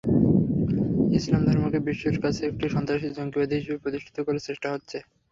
ইসলাম ধর্মকে বিশ্বের কাছে একটি সন্ত্রাসী-জঙ্গিবাদী হিসেবে প্রতিষ্ঠিত করার চেষ্টা করা হচ্ছে।